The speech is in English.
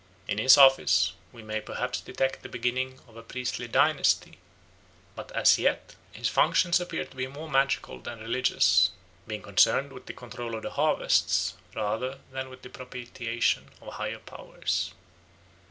In his office we may perhaps detect the beginning of a priestly dynasty, but as yet his functions appear to be more magical than religious, being concerned with the control of the harvests rather than with the propitiation of higher powers.